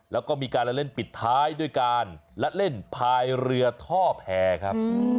แล้วก็มีการเล่นปิดท้ายด้วยการละเล่นพายเรือท่อแพรครับ